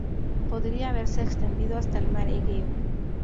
Podría haberse extendido hasta el mar Egeo.